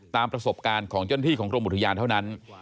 ตามประสบการณ์ของเจ้าหน้าที่ของกรมอุทยานเท่านั้น